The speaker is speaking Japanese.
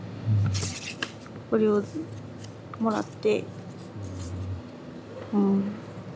これをもらってうん。